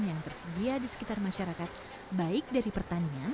yang tersedia di sekitar masyarakat baik dari pertanian